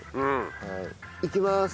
いきまーす。